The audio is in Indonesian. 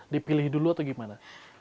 dipilih dulu atau gimana